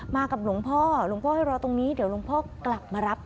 กับหลวงพ่อหลวงพ่อให้รอตรงนี้เดี๋ยวหลวงพ่อกลับมารับ